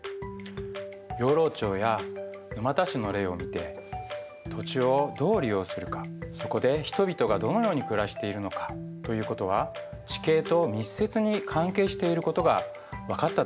養老町や沼田市の例を見て土地をどう利用するかそこで人々がどのように暮らしているのかということは地形と密接に関係していることが分かったと思います。